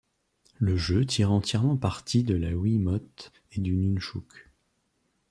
Le jeu tire entièrement parti de la Wiimote et du nunchuk.